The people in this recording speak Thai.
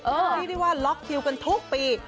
รู้ไหมว่ารถคิวกันทุกปี